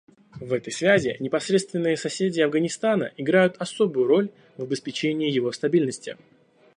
В этой связи непосредственные соседи Афганистана играют особую роль в обеспечении его стабильности.